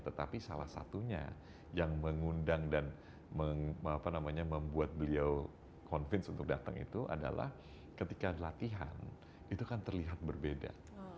tetapi salah satunya yang mengundang dan membuat beliau convince untuk datang itu adalah ketika latihan itu kan terlihat berbeda